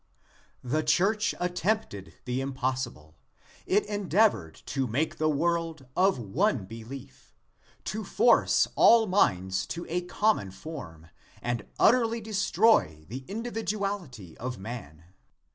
The church attempted the impossible. It endeavored to make the world of one belief; to force all minds to a common form, and utterly destroy the individuality of man.